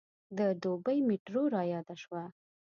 د دوبۍ میټرو رایاده شوه.